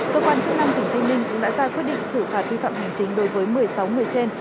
cơ quan chức năng tỉnh tây ninh cũng đã ra quyết định xử phạt vi phạm hành chính đối với một mươi sáu người trên